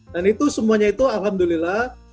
dan itu semuanya itu alhamdulillah